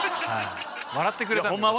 笑ってくれたんで。